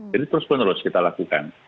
jadi terus menerus kita lakukan